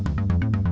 juga gua betulin